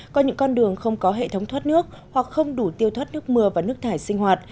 có những con đường không có hệ thống thoát nước hoặc không đủ tiêu thoát nước mưa và nước thải sinh hoạt